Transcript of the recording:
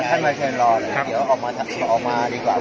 สวัสดีครับพี่เบนสวัสดีครับ